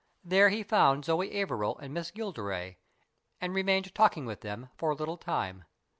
There he found Zoe Averil and Miss Gilderay, and remained talking with them for a little time.